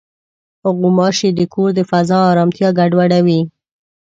غوماشې د کور د فضا ارامتیا ګډوډوي.